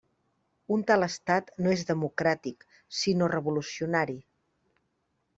Un tal estat no és democràtic, sinó revolucionari.